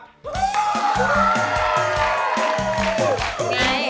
เฮียไง